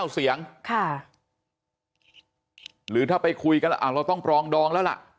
เสียงหรือถ้าไปคุยกันเราต้องปรองดองแล้วล่ะ